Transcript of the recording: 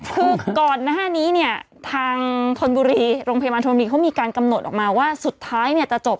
คือก่อนหน้านี้เนี่ยทางธนบุรีโรงพยาบาลธรณีเขามีการกำหนดออกมาว่าสุดท้ายเนี่ยจะจบ